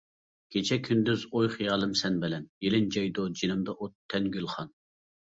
كېچە-كۈندۈز ئوي-خىيالىم سەن بىلەن، يېلىنجايدۇ جېنىمدا ئوت، تەن گۈلخان.